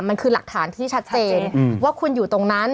มันคือหลักฐานที่ชัดเจนว่าคุณอยู่ตรงนั้น